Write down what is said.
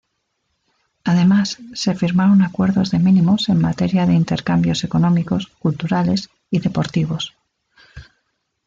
Además, se firmaron acuerdos de mínimos en materia de intercambios económicos, culturales y deportivos.